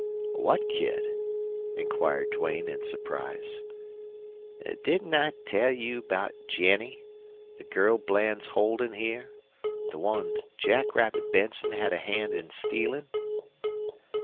"What kid?" inquired Duane, in surprise. "Didn't I tell you about Jennie the girl Bland's holdin' here the one Jackrabbit Benson had a hand in stealin'?"